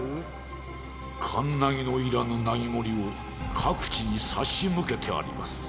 カンナギのいらぬナギモリを各地に差し向けてあります。